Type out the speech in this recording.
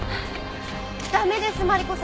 駄目ですマリコさん。